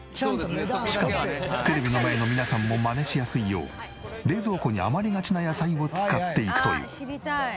しかもテレビの前の皆さんもマネしやすいよう冷蔵庫に余りがちな野菜を使っていくという。